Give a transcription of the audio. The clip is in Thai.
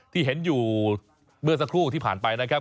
ที่เห็นอยู่เมื่อสักครู่ที่ผ่านไปนะครับ